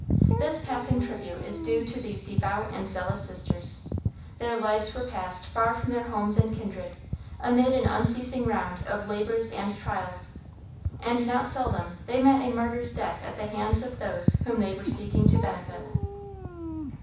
This passing tribute is due to these devout and zealous sisters. Their lives were passed far from their homes and kindred, amid an unceasing round of labors and trials, and not seldom they met a martyr's death at the hands of those whom they were seeking to benefit.